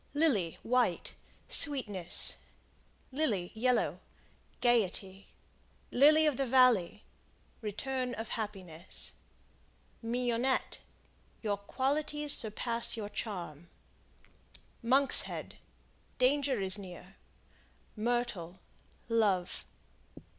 Lily, White Sweetness. Lily, Yellow Gaiety. Lily of the Valley Return of happiness. Mignonette Your qualities surpass your charm. Monkshead Danger is near. Myrtle Love.